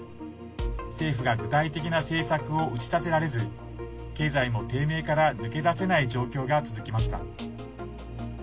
政府が具体的な政策を打ち立てられず経済も低迷から抜け出せない状況が続きました。